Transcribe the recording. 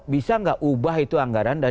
bisa nggak ubah itu anggaran dan